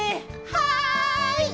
はい！